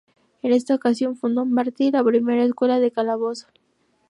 En esta ocasión fundó Martí la primera escuela de "Calabozo".